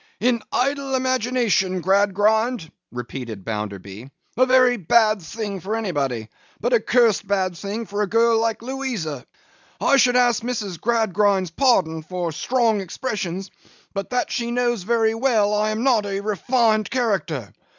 'In idle imagination, Gradgrind,' repeated Bounderby. 'A very bad thing for anybody, but a cursed bad thing for a girl like Louisa. I should ask Mrs. Gradgrind's pardon for strong expressions, but that she knows very well I am not a refined character.